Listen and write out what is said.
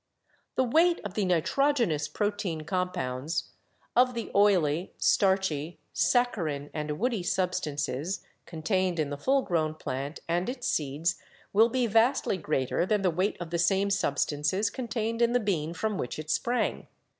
"The weight of the nitrogenous protein compounds, of the oily, starchy, saccharine and woody substances con tained in the full grown plant and its seeds will be vastly greater than the weight of the same substances contained in the bean from which it sprang.